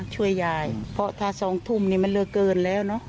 ช่วยยายเพราะถ้า๒ทุ่มนี่มันเหลือเกินแล้วเนอะ